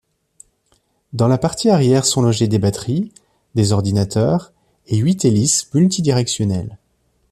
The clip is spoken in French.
Dans la partie arrière sont logées des batteries, des ordinateurs et huit hélices multidirectionnelles.